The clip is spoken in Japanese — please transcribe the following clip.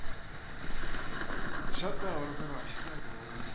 シャッター下ろせば室内と変わらない。